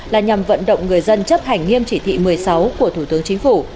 là nhằm vận động người dân chấp hành nghiêm chỉ thị một mươi sáu của thủ tướng chính phủ